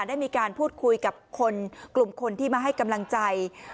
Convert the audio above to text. ได้มีการพูดคุยกับคนกลุ่มคนที่มาให้กำลังใจ